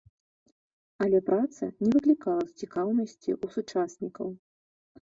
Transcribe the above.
Але праца не выклікала цікаўнасці ў сучаснікаў.